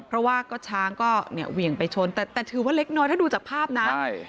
เพราะว่าช้างก็เหวี่ยงไปชนแต่ถือว่าเล็กน้อยถ้าดูจากภาพนะ